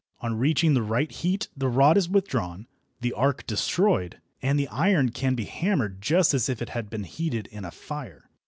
On reaching the right heat the rod is withdrawn, the arc destroyed, and the iron can be hammered just as if it had been heated in a fire.